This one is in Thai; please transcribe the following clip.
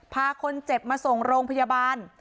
พาคนเจ็บมาส่งโรงพยาบาล